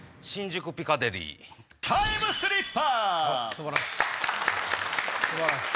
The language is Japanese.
素晴らしい。